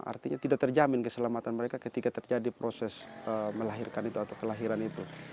artinya tidak terjamin keselamatan mereka ketika terjadi proses melahirkan itu atau kelahiran itu